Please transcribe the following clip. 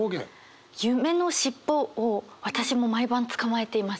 「夢のしっぽ」を私も毎晩つかまえています。